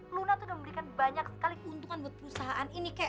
luna tuh udah memberikan banyak sekali keuntungan buat perusahaan ini